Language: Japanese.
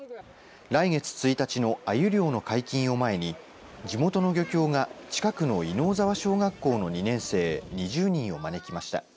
来月１日のあゆ漁の解禁を前に地元の漁協が近くの稲生沢小学校の２年生２０人を招きました。